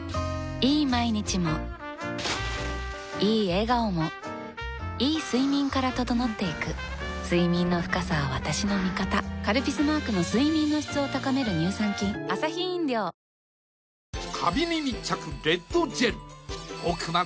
いい毎日もいい笑顔もいい睡眠から整っていく睡眠の深さは私の味方「カルピス」マークの睡眠の質を高める乳酸菌「和紅茶」が無糖なのは、理由があるんよ。